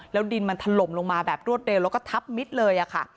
แล้วดินมันถล่มลงมาแบบรวดเร็วแล้วก็ทับมิดเลยค่ะ